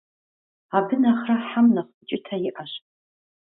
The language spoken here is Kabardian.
Абы нэхърэ хьэм нэхъ укӀытэ иӀэщ.